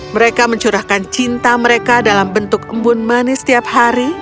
mereka mencurahkan cinta mereka dalam bentuk embun manis setiap hari